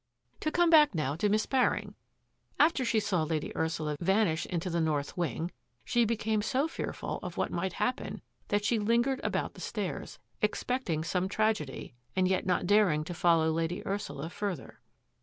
" To come back now to Miss Baring. After she saw Lady Ursula vanish into the north wing, she became so fearful of what might happen that she lingered about the stairs, expecting some tragedy and yet not daring to follow Lady Ursula further.